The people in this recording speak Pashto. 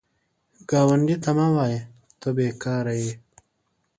ګاونډي ته مه وایه “ته بېکاره یې”